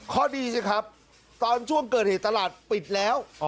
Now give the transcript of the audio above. ข้อดีสิครับตอนช่วงเกิดเหตุตลาดปิดแล้ว